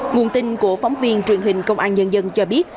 nguồn tin của phóng viên truyền hình công an nhân dân cho biết